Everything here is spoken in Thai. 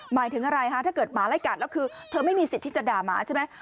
หมายถึงอะไรฮะถ้าเกิดหมาไล่กัดแล้วคือเธอไม่มีสิทธิ์ที่จะด่าหมาใช่ไหม